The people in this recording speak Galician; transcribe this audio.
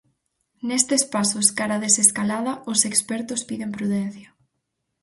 Nestes pasos cara á desescalada, os expertos piden prudencia.